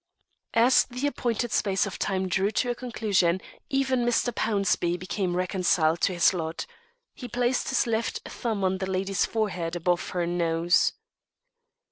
As the appointed space of time drew to a conclusion even Mr. Pownceby became reconciled to his lot. He placed his left thumb on the lady's forehead above her nose.